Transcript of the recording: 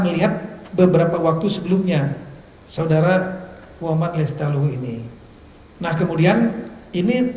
melihat beberapa waktu sebelumnya saudara muhammad lestaluhu ini nah kemudian ini